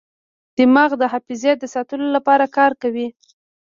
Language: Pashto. دماغ د حافظې د ساتلو لپاره کار کوي.